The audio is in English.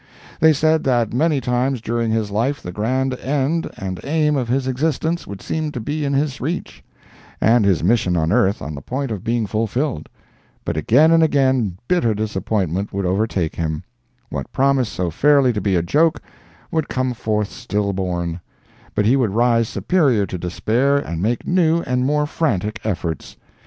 They said that many times during his life the grand end and aim of his existence would seem to be in his reach, and his mission on earth on the point of being fulfilled; but again and again bitter disappointment would overtake him; what promised so fairly to be a joke would come forth still born; but he would rise superior to despair and make new and more frantic efforts.